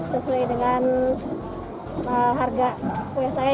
sesuai dengan harga kue saya